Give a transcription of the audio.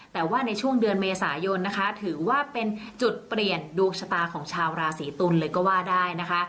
แต่ว่าในช่วงเดือนเมษายนนะคะถือว่าเป็นจุดเปลี่ยนดวงชะตาของชาวราศีตุลเลยก็ว่าได้นะคะ